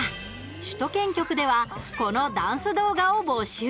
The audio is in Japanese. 首都圏局ではこのダンス動画を募集。